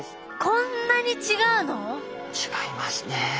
こんなに違うの？違いますね。